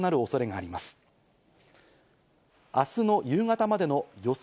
あすの夕方までの予想